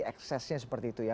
eksesnya seperti itu ya